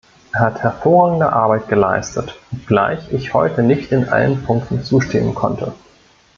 Er hat hervorragende Arbeit geleistet, obgleich ich heute nicht in allen Punkten zustimmen konnte.